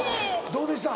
どうでした？